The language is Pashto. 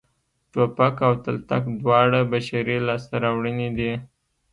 ټوپک او تلتک دواړه بشري لاسته راوړنې دي